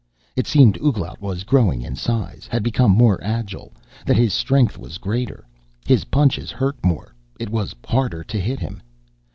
It seemed Ouglat was growing in size, had become more agile, that his strength was greater. His punches hurt more; it was harder to hit him.